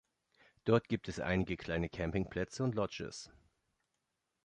Dort gibt es einige kleine Campingplätze und Lodges.